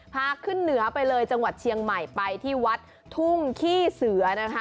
พาขึ้นเหนือไปเลยจังหวัดเชียงใหม่ไปที่วัดทุ่งขี้เสือนะคะ